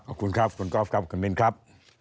ขอบคุณครับคุณกอล์ฟครับคุณมินครับ